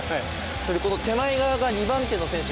この手前側が２番手の選手